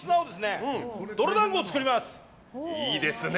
いいですね。